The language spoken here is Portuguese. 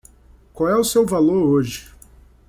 Qual é o seu valor hoje?